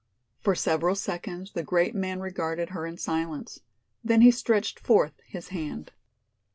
For several seconds the great man regarded her in silence. Then he stretched forth his hand.